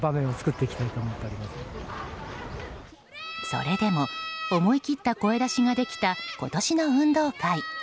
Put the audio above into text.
それでも思い切った声出しができた今年の運動会。